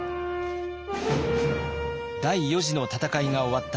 第四次の戦いが終わった